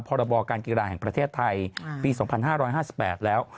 พรบการกีฬาแห่งประเทศไทยปี๒๕๕๘แล้ว